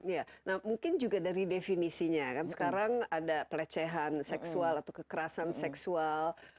ya nah mungkin juga dari definisinya kan sekarang ada pelecehan seksual atau kekerasan seksual